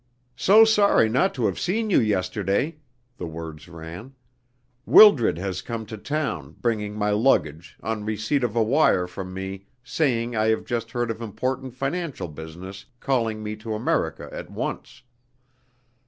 "So sorry not to have seen you yesterday," the words ran. "Wildred has come to town, bringing my luggage, on receipt of a wire from me saying I have just heard of important financial business calling me to America at once.